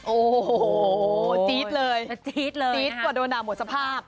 โอโฮจี๊ดเลยจี๊ดประดนวธาหมดสภาพ